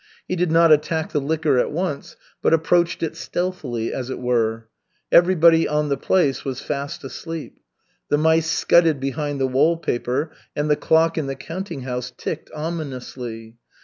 He did not attack the liquor at once, but approached it stealthily as it were. Everybody on the place was fast asleep. The mice scudded behind the wall paper and the clock in the counting house ticked ominously.